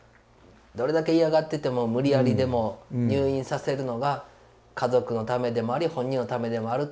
どれだけ嫌がってても無理やりでも入院させるのが家族のためでもあり本人のためでもある。